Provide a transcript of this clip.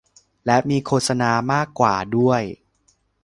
และมีโฆษณามากกว่าด้วย